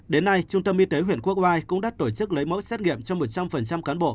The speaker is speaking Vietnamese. đến nay trung tâm y tế huyện quốc oai cũng đã tổ chức lấy mẫu xét nghiệm cho một trăm linh cán bộ